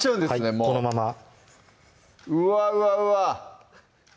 もうこのままうわうわ